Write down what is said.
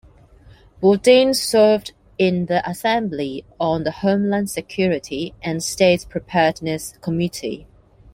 Bodine served in the Assembly on the Homeland Security and State Preparedness Committee.